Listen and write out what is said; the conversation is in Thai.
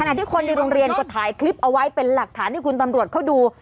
ขนาดที่คนในโรงเรียนก็ถ่ายคลิปเอาไว้เป็นหลักฐานที่ธุรกรรมรวจดู